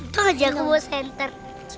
tuh aja aku mau senter